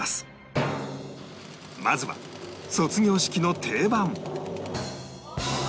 まずは卒業式の定番